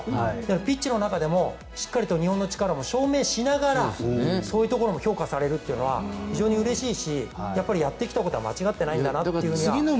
ピッチの中でもしっかりと日本の力も証明しながらそういうところも評価されるっていうのは非常にうれしいしやってきたことは間違ってないんだなというのが。